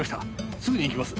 すぐに行きます。